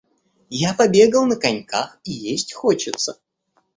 Я побегал на коньках, и есть хочется.